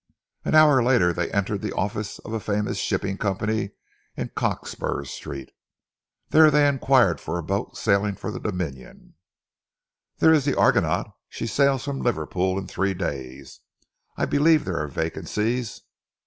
An hour later they entered the office of a famous shipping company in Cockspur Street, and there inquired for a boat sailing for the Dominion. "There is the Argonaut. She sails from Liverpool in three days. I believe there are vacancies."